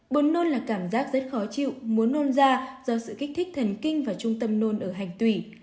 bộn nôn là cảm giác rất khó chịu muốn nôn ra do sự kích thích thần kinh và trung tâm nôn ở hành tùy